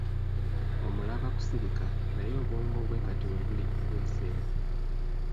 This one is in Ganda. Omulaba kusirika naye obwongo bwe kati we buli bwesera.